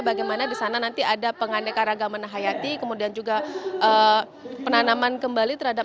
bagaimana di sana nanti ada pengandekar agama nahayati kemudian juga penanaman kembali terhadap